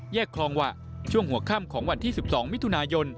แยกคลองวะช่วงหัวข้ามของวันที่สิบสองมิถุนายน